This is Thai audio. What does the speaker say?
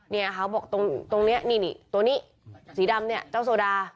เนี่ยเขาบอกตรงนี้นี่ตัวนี้สีดำเนี่ยเจ้าโซดา